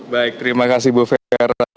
baik terima kasih ibu fera